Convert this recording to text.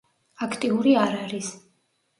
აქტიური არ არის.